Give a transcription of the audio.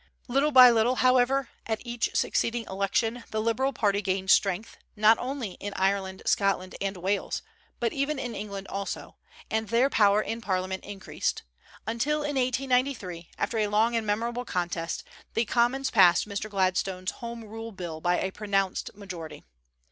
Little by little, however, at each succeeding election the Liberal party gained strength, not only in Ireland, Scotland, and Wales, but even in England also, and their power in Parliament increased; until, in 1893, after a long and memorable contest, the Commons passed Mr. Gladstone's Home Rule bill by a pronounced majority.